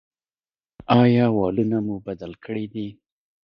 ایا والونه مو بدل کړي دي؟